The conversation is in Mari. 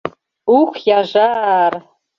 Ух, яжа-ар!